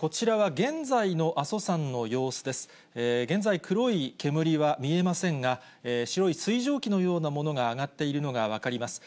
現在、黒い煙は見えませんが、白い水蒸気のようなものが上がっているのが分かります。